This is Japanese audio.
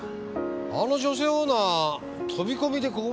あの女性オーナー飛び込みでここまで営業に？